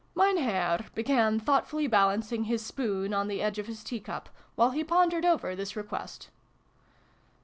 Mein Herr began thoughtfully balancing his spoon on the edge of his teacup, while he pondered over this request.